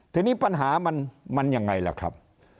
ทีนี้ปัญหามันยังไงล่ะครับ